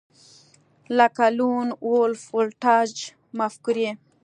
لکه لون وولف ولټاژ مفکورې